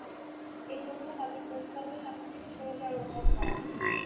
এ জন্য তাঁদের প্রেসক্লাবের সামনে থেকে সরে যাওয়ার অনুরোধ করা হয়।